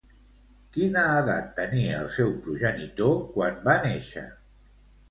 Quina edat tenia el seu progenitor quan va néixer?